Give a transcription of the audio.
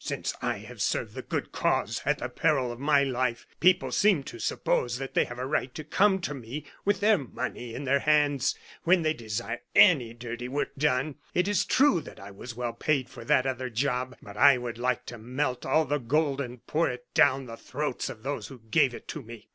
"Since I have served the good cause, at the peril of my life, people seem to suppose that they have a right to come to me with their money in their hands, when they desire any dirty work done. It is true that I was well paid for that other job; but I would like to melt all the gold and pour it down the throats of those who gave it to me.